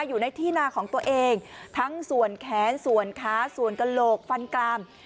อยู่ในที่นาของตัวเองทั้งส่วนแขนส่วนขาส่วนกระโหลกฟันกลาม